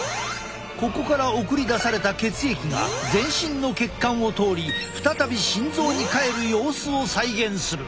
ここから送り出された血液が全身の血管を通り再び心臓に帰る様子を再現する。